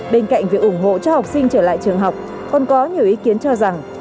bên cạnh việc ủng hộ cho học sinh trở lại trường học còn có nhiều ý kiến cho rằng